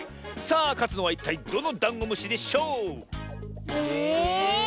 さあかつのはいったいどのダンゴムシでしょう⁉え。